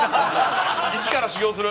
一から修行する！